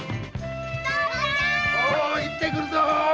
おう行ってくるぞ！